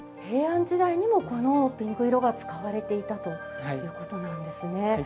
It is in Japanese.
平安時代にもこのピンク色が使われていたということなんですね。